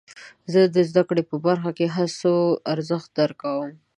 زه د زده کړې په برخه کې د هڅو ارزښت درک کوم.